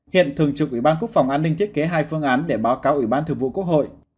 hiện thường trực ủy ban quốc phòng an ninh thiết kế hai phương án để báo cáo ủy ban thường vụ quốc hội